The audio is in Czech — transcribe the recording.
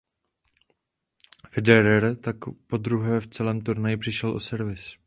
Federer tak podruhé v celém turnaji přišel o servis.